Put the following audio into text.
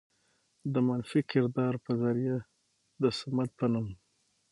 د منفي کردار په ذريعه د صمد په نوم